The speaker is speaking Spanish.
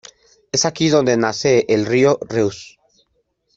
Es aquí donde nace el río Reuss.